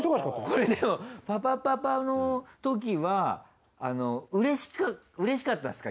これでも「パパパパ」のときはうれしかったんですか？